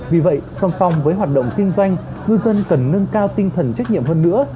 vì vậy song song với hoạt động kinh doanh ngư dân cần nâng cao tinh thần trách nhiệm hơn nữa